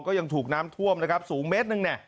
ก็ยังถูกน้ำท่วมสูงเมตรหนึ่ง